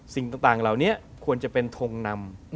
สิ่งต่างเหล่านี้ควรจะเป็นทงนำ